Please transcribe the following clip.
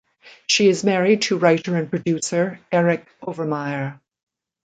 She is married to writer and producer Eric Overmyer.